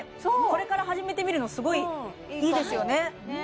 これから始めてみるのすごいいいですよね